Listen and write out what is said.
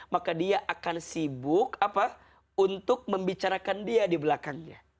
maka dia akan sibuk untuk membicarakan dia di belakangnya